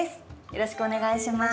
よろしくお願いします。